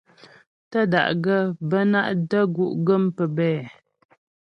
Tə́da'gaə́ bə́ ná’ də́gú' gə́m pəbɛ̂.